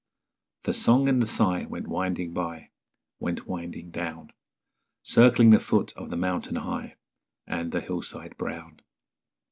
The song and the sigh went winding by, Went winding down; Circling the foot of the mountain high, And the hillside brown.